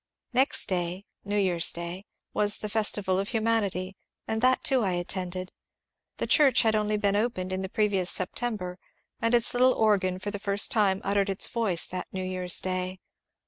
Next day — New Year's day — was the "Festival of Hu manity," and that too I attended. The church had only been opened in the previous September, and its little organ for the first time uttered its voice that New Year's day.